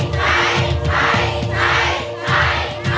ใช่ใช่ใช่ใช่